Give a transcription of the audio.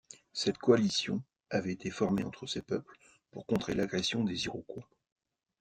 Cette coalition avait été formée entre ces peuples pour contrer l'agression des Iroquois.